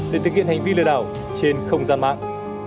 để thực hiện hành vi lừa đảo trên không gian mạng